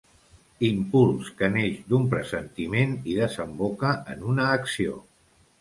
Impuls que neix d'un pressentiment i desemboca en una acció.